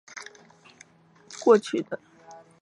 过去的帐篷今天大多不再被使用。